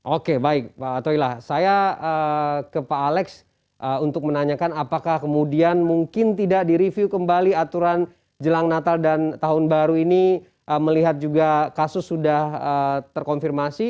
oke baik pak toilah saya ke pak alex untuk menanyakan apakah kemudian mungkin tidak direview kembali aturan jelang natal dan tahun baru ini melihat juga kasus sudah terkonfirmasi